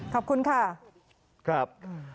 ขอบคุณค่ะครับ